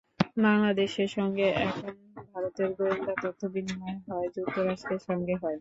বাংলাদেশের সঙ্গে এখন ভারতের গোয়েন্দা তথ্য বিনিময় হয়, যুক্তরাষ্ট্রের সঙ্গে হয়।